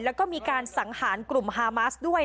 แล้วก็มีการสังหารกลุ่มฮามาสด้วย